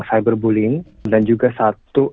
cyberbullying dan juga satu